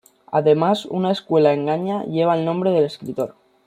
Además, una escuela en Ganyá lleva el nombre del escritor.